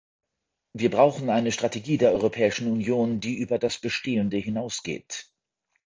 Wir brauchen eine Strategie der Europäischen Union, die über das Bestehende hinausgeht.